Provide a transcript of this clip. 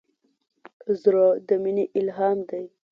زړه د مینې الهام دی.